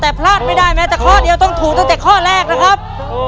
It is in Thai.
แต่พลาดไม่ได้แม้แต่ข้อเดียวต้องถูกตั้งแต่ข้อแรกนะครับ